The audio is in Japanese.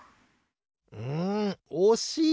うんおしい！